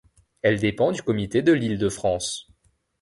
Elle dépend du comité de l'Île-de-France.